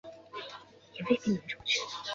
最后高顺斩杀郝萌。